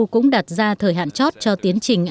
cũng đặt ra thời hạn chót cho tiến trình